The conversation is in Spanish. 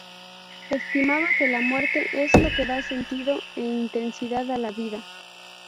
Estimaba que la muerte es lo que da sentido e intensidad a la vida.